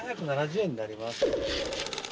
７７０円になります。